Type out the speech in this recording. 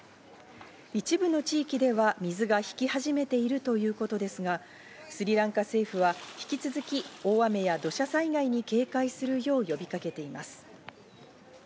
一部の地域では水が引き始めているということですが、スリランカ政府は引き続き大雨や土砂災害に警戒するよう呼びかけています。